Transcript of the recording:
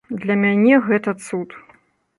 Для мяне гэта цуд.